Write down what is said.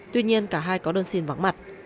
tuy nhiên cả hai có đơn xin vắng mặt